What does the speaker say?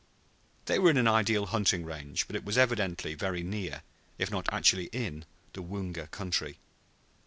They were in an ideal hunting range, but it was evidently very near, if not actually in, the Woonga country.